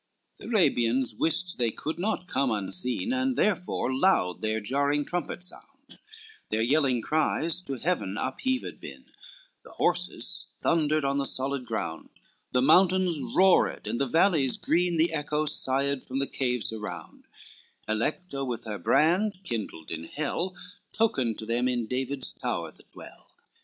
XXI The Arabians wist they could not come unseen, And therefore loud their jarring trumpets sound, Their yelling cries to heaven upheaved been, The horses thundered on the solid ground, The mountains roared, and the valley green, The echoes sighed from the caves around, Alecto with her brand, kindled in hell, Tokened to them in David's tower that dwell.